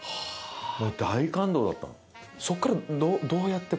大感動だったの。